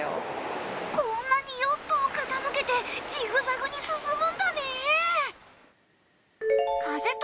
こんなにヨットを傾けてジグザグに進むんだね。